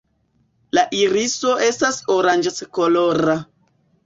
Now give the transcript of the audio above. La iriso estas oranĝeckolora.